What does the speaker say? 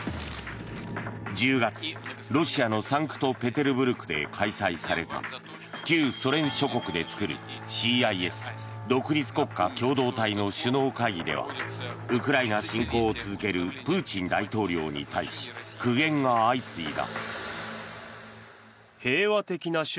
１０月ロシアのサンクトペテルブルクで開催された旧ソ連諸国で作る、ＣＩＳ・独立国家共同体の首脳会議ではウクライナ侵攻を続けるプーチン大統領に対し苦言が相次いだ。